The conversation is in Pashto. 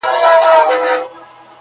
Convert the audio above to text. چي ستا گېډي او بچیو ته په کار وي!